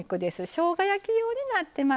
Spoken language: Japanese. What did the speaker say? しょうが焼き用になってます。